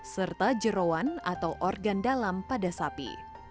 serta jerawan atau organ dalam pada sapi